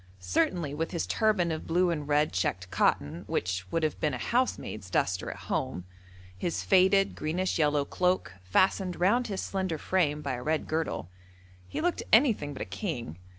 Certainly with his turban of blue and red checked cotton (which would have been a housemaid's duster at home), his faded, greenish yellow cloak, fastened round his slender frame by a red girdle, he looked anything but a king.